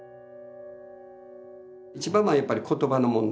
一番はやっぱり言葉の問題。